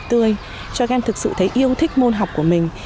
tươi cho các em thực sự thấy yêu thích môn học của mình